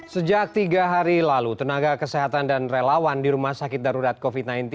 sejak tiga hari lalu tenaga kesehatan dan relawan di rumah sakit darurat covid sembilan belas